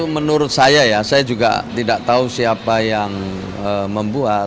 menurut saya ya saya juga tidak tahu siapa yang membuat